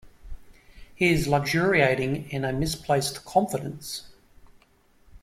He is luxuriating in a misplaced confidence.